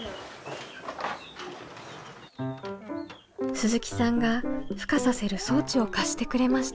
鈴木さんがふ化させる装置を貸してくれました。